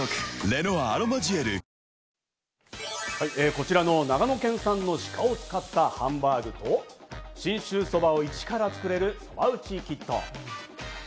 こちらの長野県産の鹿を使ったハンバーグと、信州そばをイチからつくれるそば打ちキッド。